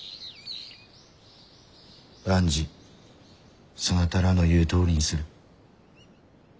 万事そなたらの言うとおりにする。